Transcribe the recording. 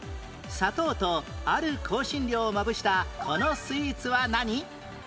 砂糖とある香辛料をまぶしたこのスイーツは何？